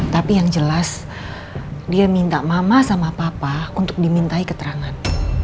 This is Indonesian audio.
tapi yang jelas dia minta mama sama papa untuk dimintai keterangan